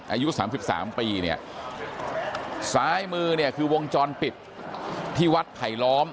อายุสามสิบสามปีเนี่ยซ้ายมือเนี่ยคือวงจรปิดที่วัดไผลล้อม